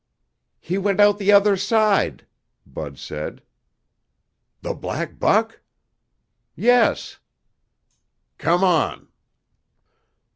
"He went out the other side!" Bud said. "The black buck?" "Yes!" "Come on!"